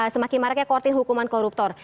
semakin maraknya kuarti hukuman koruptor